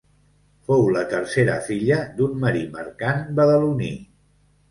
Fou la tercera filla d'un marí mercant badaloní.